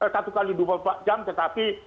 satu kali dua jam tetapi